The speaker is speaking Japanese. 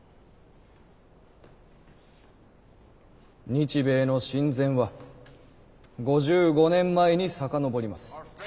・「日米の親善は５５年前に遡ります」。